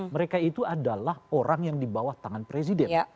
mereka itu adalah orang yang di bawah tangan presiden